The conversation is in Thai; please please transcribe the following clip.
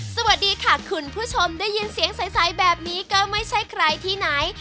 สวัสดีค่ะคุณผู้ชมได้ยินเสียงใสแบบนี้ก็ไม่ใช่ใครที่ไหน